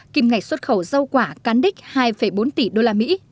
kim ngạch xuất khẩu rau quả cán đích hai bốn tỷ usd